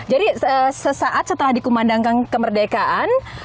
jadi sesaat setelah dikumandangkan kemerdekaan